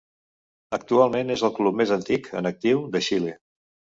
Actualment és el club més antic, en actiu, de Xile.